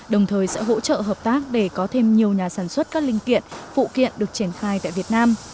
đồng thời sẽ hỗ trợ hợp tác để có thêm nhiều nhà sản xuất các linh kiện phụ kiện được triển khai tại việt nam